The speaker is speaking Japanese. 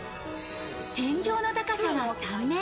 天井の高さは３ｍ。